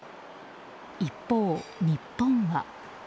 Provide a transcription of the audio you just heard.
一方、日本は。